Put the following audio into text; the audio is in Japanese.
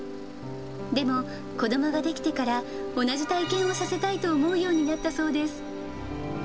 でも、子どもができてから、同じ体験をさせたいと思うようになったそうです。